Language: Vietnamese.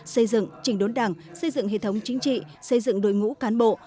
xây dựng trình đốn đảng xây dựng hệ thống chính trị xây dựng đội ngũ cán bộ